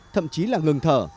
thậm chí là ngừng thở